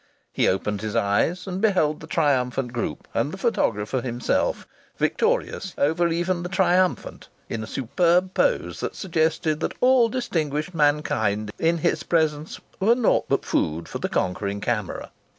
He opened his eyes and beheld the triumphant group, and the photographer himself, victorious over even the triumphant, in a superb pose that suggested that all distinguished mankind in his presence was naught but food for the conquering camera.